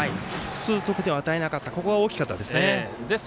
複数得点を与えなかったのが大きかったです。